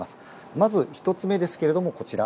まず１つ目ですけれども、こちら。